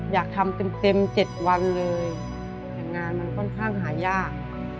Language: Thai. อยากทำเต็ม๗วันเลยแต่งานมันค่อนข้างหายาก